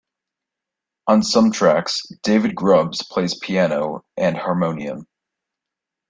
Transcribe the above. On some tracks David Grubbs plays piano and harmonium.